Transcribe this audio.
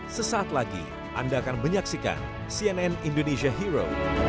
sesaat lagi anda akan menyaksikan cnn indonesia hero